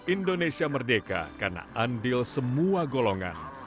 indonesia merdeka karena andil semua golongan